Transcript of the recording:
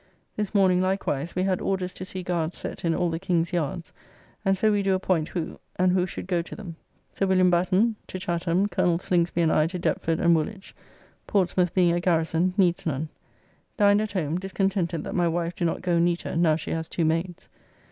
This morning likewise, we had order to see guards set in all the King's yards; and so we do appoint who and who should go to them. Sir Wm. Batten to Chatham, Colonel Slingsby and I to Deptford and Woolwich. Portsmouth being a garrison, needs none. Dined at home, discontented that my wife do not go neater now she has two maids.